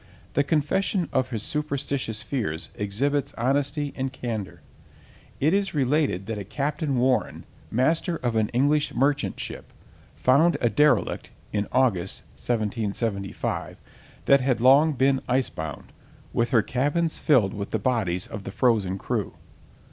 The confession of his superstitious fears exhibits honesty and candour. It is related that a Captain Warren, master of an English merchant ship, found a derelict (in August, 1775) that had long been ice bound, with her cabins filled with the bodies of the frozen crew.